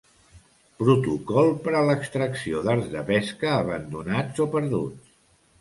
Protocol per a l'extracció d'arts de pesca abandonats o perduts.